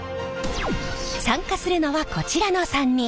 参加するのはこちらの３人。